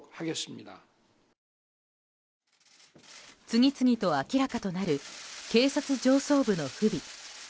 次々と明らかになる警察上層部の不備。